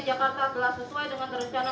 jakarta adalah sesuai dengan rencana